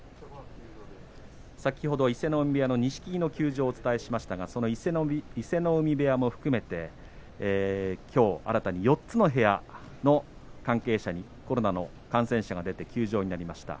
先ほど伊勢ノ海部屋の錦木の休場をお伝えしましたが伊勢ノ海部屋も含めてきょう、新たに４つの部屋の関係者にコロナの感染者が出て休場になりました。